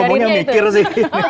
oh pokoknya mikir sih